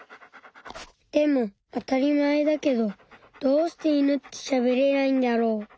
でもあたりまえだけどどうしてイヌってしゃべれないんだろう？